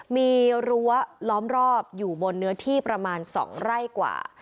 มีรั้วล้อมรอบอยู่บนเนื้อที่ประมาณ๒ไร่กว่า